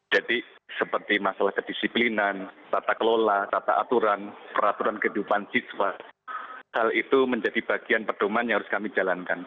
jadi seperti masalah kedisiplinan tata kelola tata aturan peraturan kehidupan siswa hal itu menjadi bagian perdoman yang harus kami jalankan